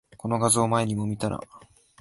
この画像、前にも見たな